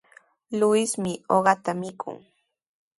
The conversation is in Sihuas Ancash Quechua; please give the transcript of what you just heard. Luismi uqata mikun.